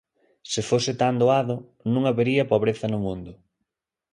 Se fose tan doado, non habería pobreza no mundo.